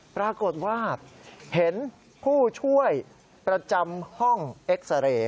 ปรากฏว่าเห็นผู้ช่วยประจำห้องเอ็กซาเรย์